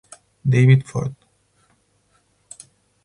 David Ford